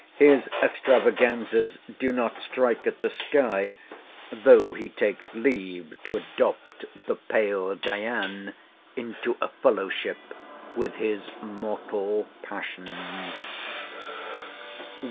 His extravaganzas do not strike at the sky, though he takes leave to adopt the pale Dian into a fellowship with his mortal passions.